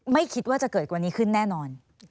ไม่คิดว่าจะเกิดวันนี้ขึ้นแน่นอน